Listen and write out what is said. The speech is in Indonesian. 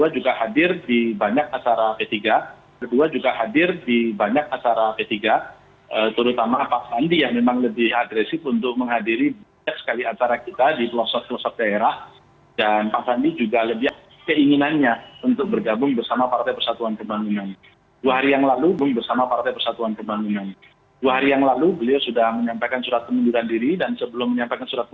jadi apakah bakal cawa pres yang mungkin akan disodorkan oleh p tiga masih terbuka untuk orang di luar kader atau spesifik hanya kader saja